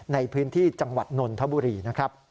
ในพื้นที่จังหวัดนนทบุรีนะครับ